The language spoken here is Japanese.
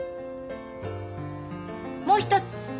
もう一つ。